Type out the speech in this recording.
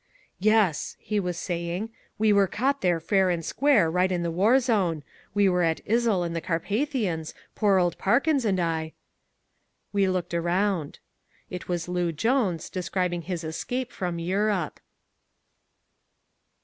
"Yes," he was saying, "we were caught there fair and square right in the war zone. We were at Izzl in the Carpathians, poor old Parkins and I " We looked round. It was Loo Jones, describing his escape from Europe.